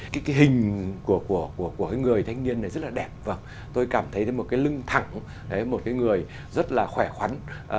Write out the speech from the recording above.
cái hình của cái người thanh niên này rất là đẹp vâng tôi cảm thấy một cái lưng thẳng một cái người rất là khỏe khoắn